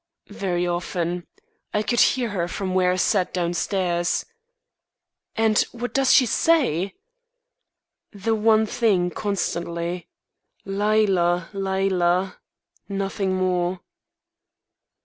"Very often. I could hear her from where I sat downstairs." "And what does she say?" "The one thing constantly. 'Lila! Lila!' Nothing more."